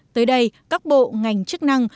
tới đây các bộ ngành chức năng